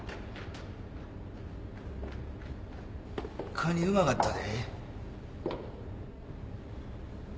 カニうまかったで。